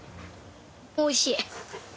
おいしい！